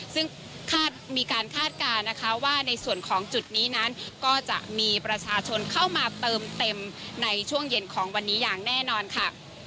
ซึ่งคาดมีการคาดการณ์นะคะว่าในส่วนของจุดนี้นั้นก็จะมีประชาชนเข้ามาเติมเต็มในช่วงเย็นของวันนี้อย่างแน่นอนค่ะ